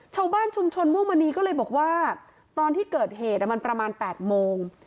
ชาวบ้านชุมชนม่วงมณีก็เลยบอกว่าตอนที่เกิดเหตุมันประมาณ๘โมง